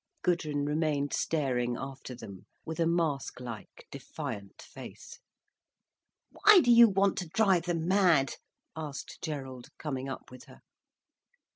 Gudrun remained staring after them, with a mask like defiant face. "Why do you want to drive them mad?" asked Gerald, coming up with her.